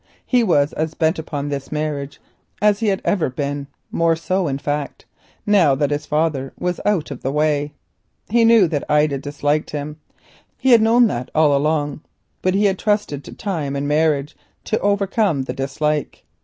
He was as bent upon this marriage as he had ever been, more so in fact, now that his father was out of the way. He knew that Ida disliked him, he had known that all along, but he had trusted to time and marriage to overcome the dislike.